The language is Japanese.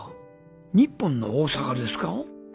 日本の大阪ですか？